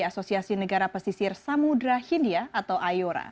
asosiasi negara pesisir samudera hindia atau ayora